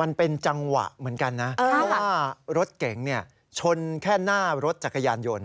มันเป็นจังหวะเหมือนกันนะเพราะว่ารถเก๋งชนแค่หน้ารถจักรยานยนต์